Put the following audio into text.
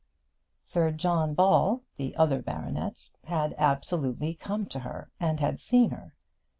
Sir John Ball, the other baronet, had absolutely come to her, and had seen her.